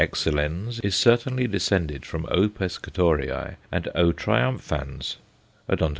excellens_ is certainly descended from O. Pescatorei and O. triumphans, _O.